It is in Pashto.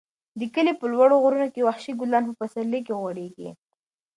د کلي په لوړو غرونو کې وحشي ګلان په پسرلي کې غوړېږي.